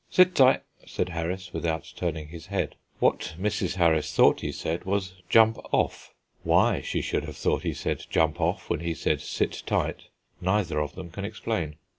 "Sit tight," said Harris, without turning his head. What Mrs. Harris thought he said was, "Jump off." Why she should have thought he said "Jump off," when he said "Sit tight," neither of them can explain.